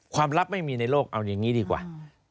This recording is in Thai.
ลับไม่มีในโลกเอาอย่างนี้ดีกว่า